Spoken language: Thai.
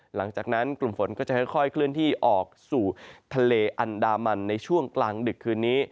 หลังจากนั้นกลุ่มฝนก็จะค่อยเคลื่อนที่ออกสู่ทะเลอันดามันในช่วงกลางดึกคืนนี้